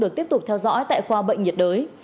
được tiếp tục theo dõi tại khoa bệnh nhiệt đới